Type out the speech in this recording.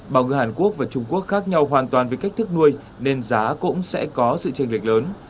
bao người hàn quốc và trung quốc khác nhau hoàn toàn với cách thức nuôi nên giá cũng sẽ có sự tranh lệch lớn